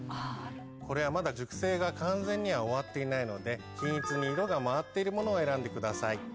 これはまだ熟成が完全には終わっていないので均一に色が回っているものを選んでください。